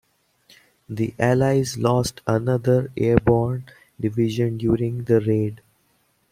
The allies lost another airborne division during the raid.